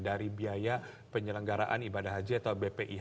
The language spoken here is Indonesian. dari biaya penyelenggaraan ibadah haji atau bpih